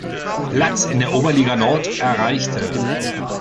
Platz in der Oberliga Nord erreichte.